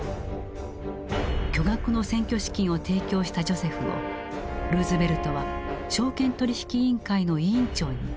巨額の選挙資金を提供したジョセフをルーズベルトは証券取引委員会の委員長に抜擢した。